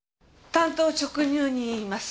単刀直入に言います。